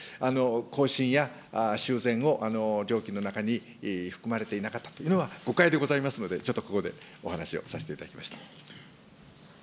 更新や修繕を料金の中に含まれていなかったというのは、誤解でございますので、ちょっとここでお話をさせていただきました。